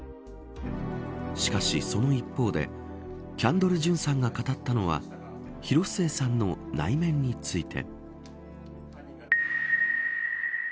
しかし、その一方でキャンドル・ジュンさんが語ったのは広末さんの内面について。